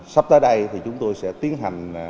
sắp tới đây thì chúng tôi sẽ tiến hành